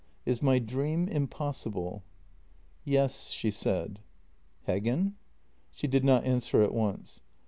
Is my dream impossible? "" Yes," she said. " Heggen? " She did not answer at once.